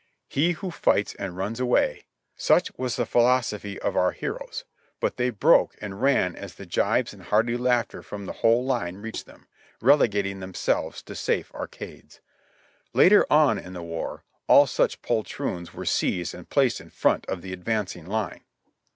"He who fights and runs away —" Such was the philosophy of our heroes ; but they broke and ran as the jibes and hearty laughter from the whole line reached them, relegating themselves to safe arcades. Later on in the war, all such poltroons were seized and placed in front of the ad vancing line.